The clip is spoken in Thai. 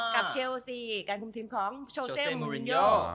กับเชลสีการคุมทีมของโชแซมูรินโย